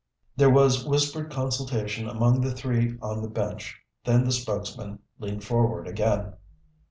There was whispered consultation among the three on the bench. Then the spokesman leaned forward again.